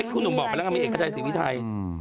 ทุกหนูบอกก็ยังมีเอกชัยสิวิชัย